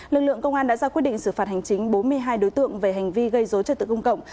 lực lượng công an đã ra quyết định xử phạt hành chính bốn mươi hai đối tượng về hành vi gây dối trật tự công cộng